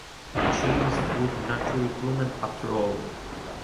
And she is a good-natured woman after all.